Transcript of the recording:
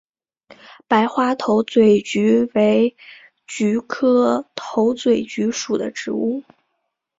白花头嘴菊为菊科头嘴菊属的植物。